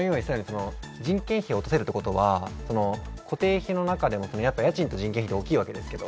人件費を落とせるということは固定費の中でも家賃と人件費は大きいです。